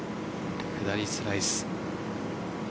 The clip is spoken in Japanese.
下り、スライス。